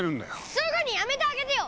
すぐにやめてあげてよ！